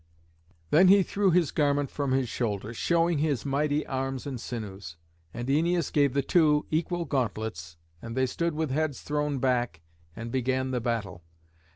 Then he threw his garment from his shoulders, showing his mighty arms and sinews. And Æneas gave the two equal gauntlets, and they stood with heads thrown back, and began the battle.